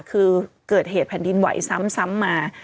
คือเกิดเหตุแผ่นดินไหวซ้ำมา